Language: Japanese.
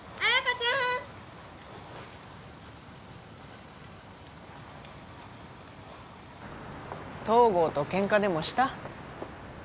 ちゃーん東郷とケンカでもした？